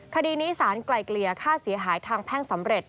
คดีนี้สารไกลเกลี่ยค่าเสียหายทางแพ่งสำเร็จ